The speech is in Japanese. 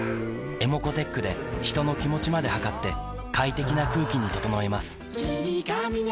ｅｍｏｃｏーｔｅｃｈで人の気持ちまで測って快適な空気に整えます